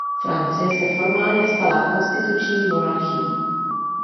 Francie se formálně stala konstituční monarchií.